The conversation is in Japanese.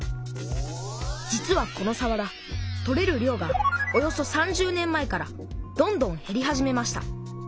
実はこのさわら取れる量がおよそ３０年前からどんどんへり始めました。